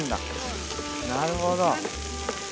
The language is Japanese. なるほど。